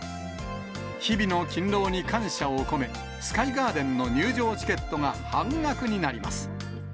日々の勤労に感謝を込め、スカイガーデンの入場チケットが半額になります。